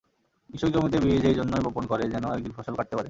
কৃষক জমিতে বীজ এই জন্যই বপন করে, যেনো একদিন ফসল কাটতে পারে।